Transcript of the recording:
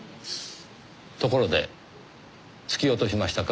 ところで突き落としましたか？